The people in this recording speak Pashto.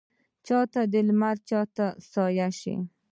چا ته لمر چا ته سایه شي